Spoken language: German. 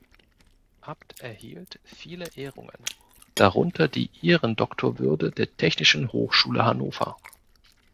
Abt erhielt viele Ehrungen, darunter die Ehrendoktorwürde der Technischen Hochschule Hannover.